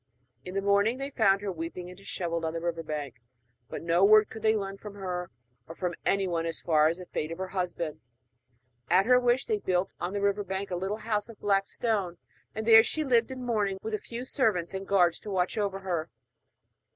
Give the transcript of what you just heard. In the morning they found her, weeping and dishevelled, on the river bank; but no word could they learn from her or from anyone as to the fate of her husband. At her wish they built on the river bank a little house of black stone; and there she lived in mourning, with a few servants and guards to watch over her.